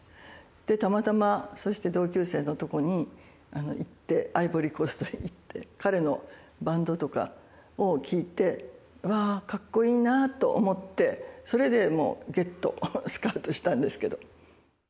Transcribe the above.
でたまたまそして同級生のとこに行ってアイボリーコーストへ行って彼のバンドとかを聴いて「わあかっこいいな」と思ってそれでもうゲットスカウトしたんですけど。